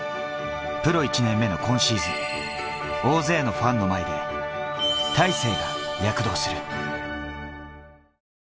プロ１年目の今シーズン、大勢のファンの前に大勢が躍動する。